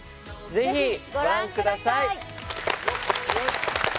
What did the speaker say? ぜひご覧ください